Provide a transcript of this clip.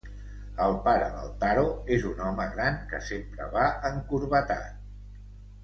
El pare del Taro és un home gran que sempre va encorbatat.